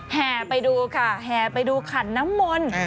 แห่ไปดูค่ะแห่ไปดูขันน้ำมนต์